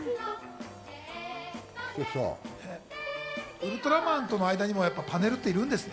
ウルトラマンとの間にもパネルっているんですね。